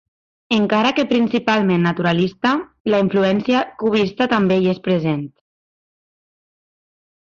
Encara que principalment naturalista, la influència cubista també hi és present.